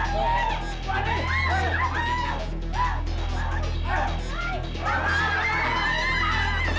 supaya memastikan saya bhw